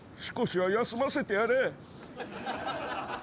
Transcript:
少しは休ませてやれ。